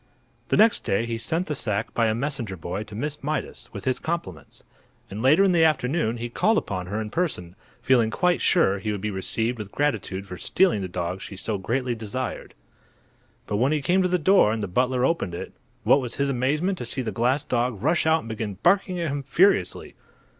The next day he sent the sack by a messenger boy to Miss Mydas, with his compliments, and later in the afternoon he called upon her in person, feeling quite sure he would be received with gratitude for stealing the dog she so greatly desired. But when he came to the door and the butler opened it, what was his amazement to see the glass dog rush out and begin barking at him furiously.